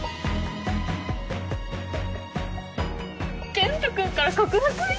健人君から告白！？